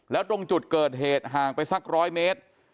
แล้วตรงจุดเกิดเหตุห่างไปสัก๑๐๐เมตร